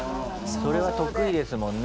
それは得意ですもんね。